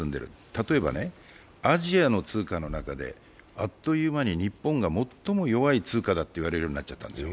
例えばね、アジアの通貨の中であっという間に日本が最も弱い通貨だといわれるようになったんです